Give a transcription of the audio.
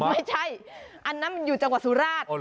ไม่ใช่อันนั้นมันอยู่จังหวัดสุราช